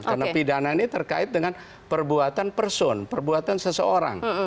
karena pidana ini terkait dengan perbuatan person perbuatan seseorang